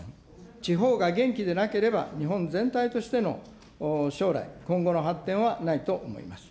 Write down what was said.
地方が元気でなければ、日本全体としての将来、今後の発展はないと思います。